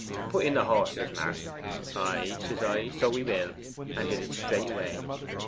'"Put in the horse," says Martin. "Ay," says I, "so we will;" and did it straightway.